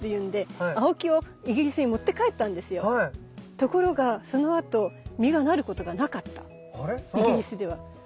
ところがそのあと実がなることがなかったイギリスでは。